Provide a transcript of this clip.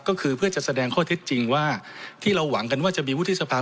ก็คือเพื่อจะแสดงข้อเท็จจริงว่าที่เราหวังกันว่าจะมีวุฒิสภา